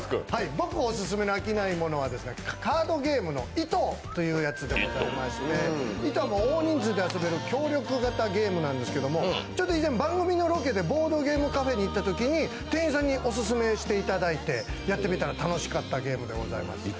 僕、オススメの飽きないものはカードゲームの「ｉｔｏ」というやつでございまして、「ｉｔｏ」は大人数で遊べる協力型ゲームなんですけど以前、番組のロケでボードゲームカフェに行ったときに店員さんにオススメしていただいてやってみたら楽しかったゲームでございます。